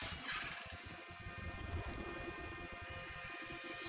sampai datang akhir dua